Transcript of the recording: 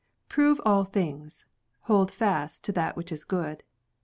Prove all things ; holdfast that which is good."